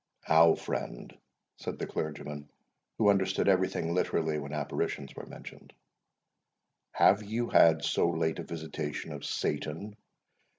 "How, friend," said the clergyman, who understood every thing literally when apparitions were mentioned, "have you had so late a visitation of Satan?